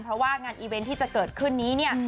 เพราะว่างานอีเวนต์ที่จะเกิดขึ้นนี้เนี่ย